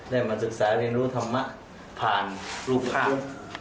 ได้มาศึกษาเรียนรู้ธรรมะผ่านรูปภาพ